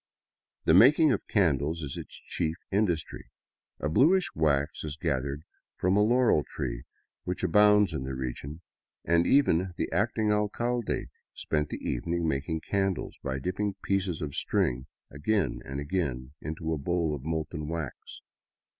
The making of candles is its chief industry. A bluish wax is gathered from a " laurel " tree which abounds in the region, and even the acting alcalde spent the even ing making candles by dipping pieces of string again and again into a bowl of molten wax.